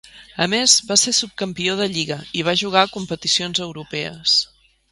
A més va ser subcampió de Lliga i va jugar competicions europees.